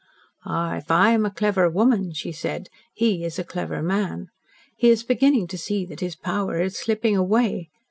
"Ah, if I am a clever woman," she said, "he is a clever man. He is beginning to see that his power is slipping away.